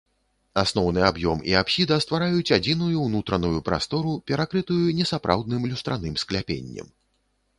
Асноўны аб'ём і апсіда ствараюць адзіную ўнутраную прастору, перакрытую несапраўдным люстраным скляпеннем.